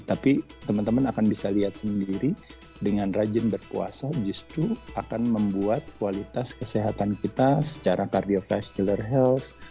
tapi teman teman akan bisa lihat sendiri dengan rajin berpuasa justru akan membuat kualitas kesehatan kita secara kardiofastular health